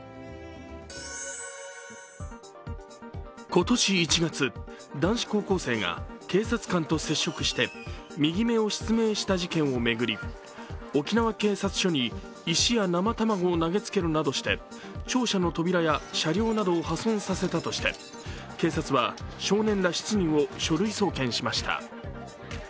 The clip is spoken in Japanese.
今年１月、男子高校生が警察官と接触して右目を失明した事件を巡り沖縄警察署に石や生卵を投げつけるなどして庁舎の扉や車両などを破損させたとして警察は、少年ら７人を書類送検しました。